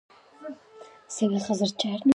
پاک زړه تر ټولو ښکلی زړه دی.